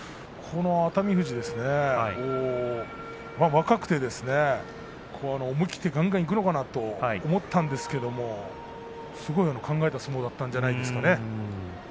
熱海富士、若くて思い切ってがんがんいくのかなと思ったんですけれどもすごい考えた相撲だったんじゃないですかね。